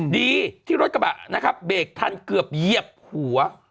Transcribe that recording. ดีที่รถกระบะนะครับเบรกทันเกือบเหยียบหัว